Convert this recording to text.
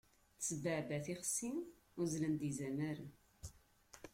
Tesbeɛbeɛ tixsi, uzzlen-d izamaren.